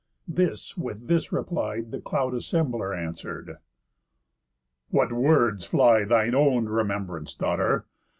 This, with this reply, The Cloud assembler answer'd: "What words fly Thine own remembrance, daughter?